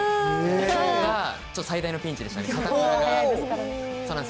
きょうが最大のピンチでしたね。